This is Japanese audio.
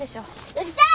うるさい！